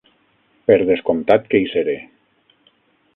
Per descomptat que hi seré!